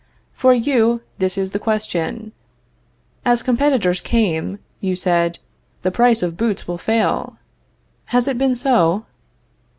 For you, this is the question. As competitors came, you said: The price of boots will fail. Has it been so?